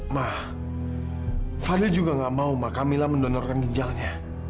ma fadil juga gak mau ma kamila mendonorkan ginjalnya